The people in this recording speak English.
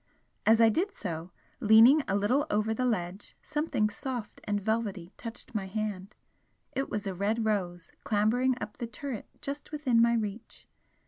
As I did so, leaning a little over the ledge, something soft and velvety touched my hand; it was a red rose clambering up the turret just within my reach.